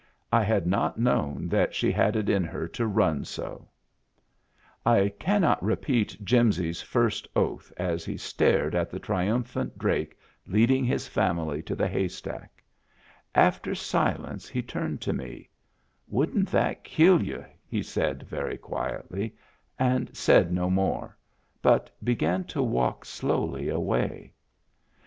I had not known that she had it in her to run so. I cannot repeat Jimsy's first oath as he stared at the triumphant drake leading his family to Digitized by Google THE DRAKE WHO HAD MEANS OF HIS OWN 309 the haystack. After silence he turned to me. " Wouldn't that kill you ?" he said very quietly ; and said no more, but began to walk slowly away.